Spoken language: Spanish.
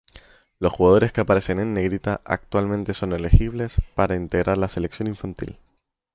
Los jugadores que aparecen en Negrita actualmente son elegibles para integrar la selección infantil.